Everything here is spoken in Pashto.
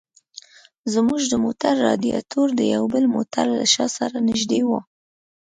زموږ د موټر رادیاټور د یو بل موټر له شا سره نږدې و.